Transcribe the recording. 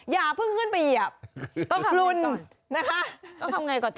อย่าเพิ่งขึ้นไปเหยียบ